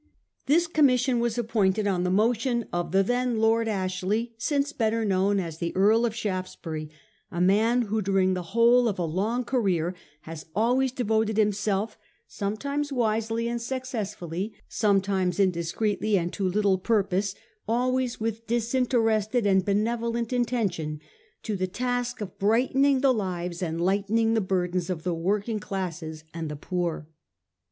This Commission was ap pointed on the motion of the then Lord Ashley, since better known as the Earl of Shaftesbury, a man who during the whole of a long career has always devoted himself — sometimes wisely and successfully, sometimes indiscreetly and to little purpose, always with dis interested and benevolent intention — to the task of brightening the lives and lightening the burthens of the working classes and the poor.